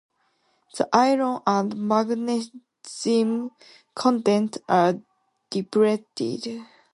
The iron and magnesium contents are depleted.